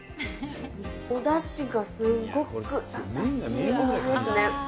おだしがすごく優しいお味ですね。